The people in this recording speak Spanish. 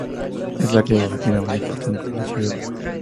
Es la calle de tiendas más importante de la ciudad.